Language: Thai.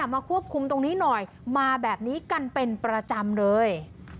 มาควบคุมตรงนี้หน่อยมาแบบนี้กันเป็นประจำเลย